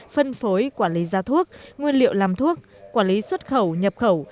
phân phối quản lý gia thuốc nguyên liệu làm thuốc quản lý xuất khẩu nhập khẩu